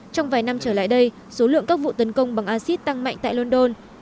trong vài năm trở lại đây số lượng các vụ tấn công bằng acid tăng mạnh tại london